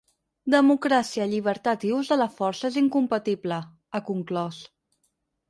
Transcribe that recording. Democràcia, llibertat i us de la força és incompatible, ha conclòs.